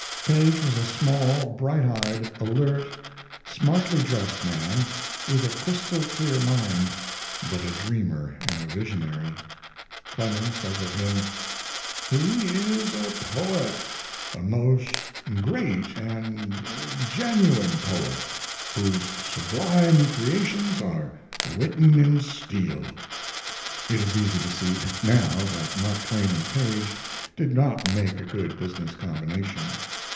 Paige was a small, bright eyed, alert, smartly dressed man, with a crystal clear mind, but a dreamer and a visionary. Clemens says of him: "He is a poet; a most great and genuine poet, whose sublime creations are written in steel." It is easy to see now that Mark Twain and Paige did not make a good business combination.